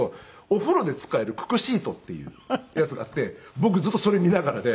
お風呂で使える九九シートっていうやつがあって僕ずっとそれ見ながらで。